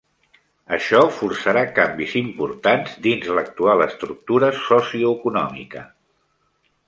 Això forçarà canvis importants dins l'actual estructura socioeconòmica.